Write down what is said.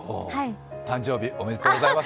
誕生日おめでとうございます。